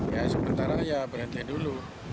ya sementara ya berhenti dulu